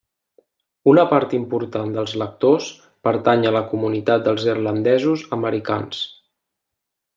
Una part important dels lectors pertany a la comunitat dels Irlandesos Americans.